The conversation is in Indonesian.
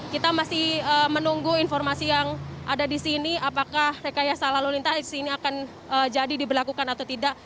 kita masih menunggu informasi yang ada di sini apakah rekayasa lalu lintas ini akan jadi diberlakukan atau tidak